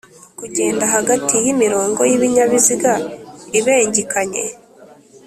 kugenda hagati y’imirongo y’ibinyabiziga ibengikanye